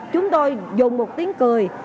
chúng tôi dùng một tiếng cười